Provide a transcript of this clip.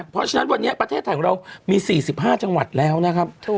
เพราะฉะนั้นวันนี้ประเทศไทยของเรามี๔๕จังหวัดแล้วนะครับ